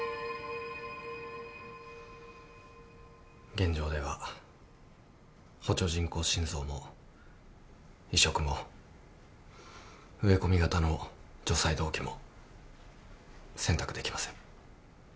現状では補助人工心臓も移植も植え込み型の除細動器も選択できません。